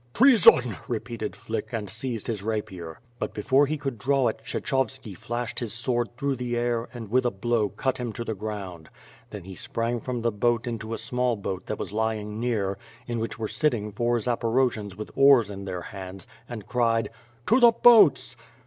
"Treason!" repeated Flick, and seized his rapier. But, before he could draw it, Kshechovski flashed his sword through the air and with a blow cut him to the ground. Then he sprang from the boat into a small boat that was lying near, in which were sitting four Zaporojians with oars in their hands, and cried: "To the boats!"